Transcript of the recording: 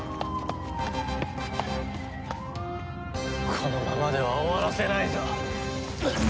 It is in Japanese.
このままでは終わらせないぞ！